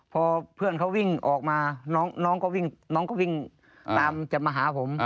พอเพื่อนเขาวิ่งออกมาน้องก็วิ่งตามจะมาหาผม